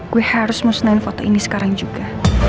gue harus musnahin foto ini sekarang juga